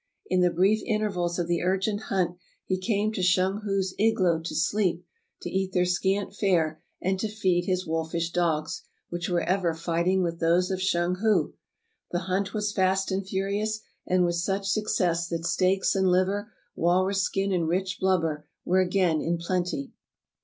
In the brief intervals of the urgent hunt he came to Shung hu's igloo to sleep, to eat their scant fare, and to feed his wolfish dogs, which were ever fighting with those of Shung hu. The hunt was fast and furious, and with such success that steaks and liver, walrus skin and rich blubber, were again in plenty.